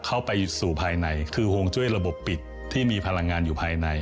เข้าไปสู่ภายในคือฮวงจุ้ยระบบปิดที่มีพลังงานอยู่ภายใน